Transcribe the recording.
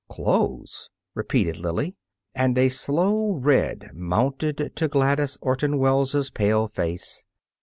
"Clothes!" repeated Lily. And a slow red mounted to Gladys Orton Wells' pale face.